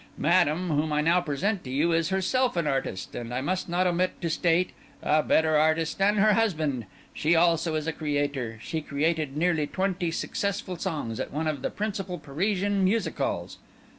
Madame, whom I now present to you, is herself an artist, and I must not omit to state, a better artist than her husband. She also is a creator; she created nearly twenty successful songs at one of the principal Parisian music halls.